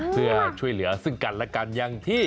เพื่อช่วยเหลือซึ่งกันและกันอย่างที่